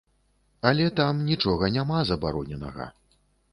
Але там нічога няма забароненага.